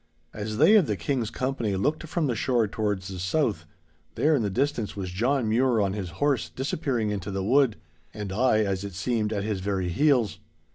As they of the King's company looked from the shore towards the south, there in the distance was John Mure on his horse disappearing into the wood, and I (as it seemed) at his very heels.